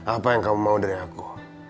apa yang kamu mau dari aku